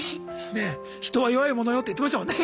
ねっ「人は弱いものよ」って言ってましたもんね。